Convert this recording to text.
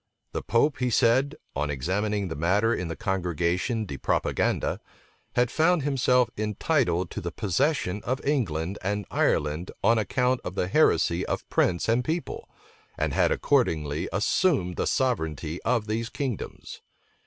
The pope, he said, on examining the matter in the congregation de propaganda, had found himself entitled to the possession of England and Ireland on account of the heresy of prince and people, and had accordingly assumed the sovereignty of these kingdoms.